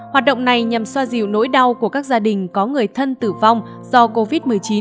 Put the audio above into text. hoạt động này nhằm xoa dịu nỗi đau của các gia đình có người thân tử vong do covid một mươi chín